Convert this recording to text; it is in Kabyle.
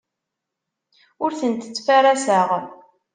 Ur tent-ttfaraseɣ.